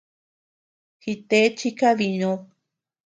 Jite chi kadinud.